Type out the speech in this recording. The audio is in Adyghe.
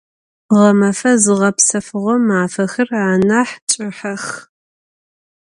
Ğemefe zığepsefığo mafexer anah ç'ıhex.